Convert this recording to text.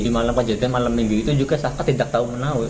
di malam kejadian malam minggu itu juga safa tidak tahu menau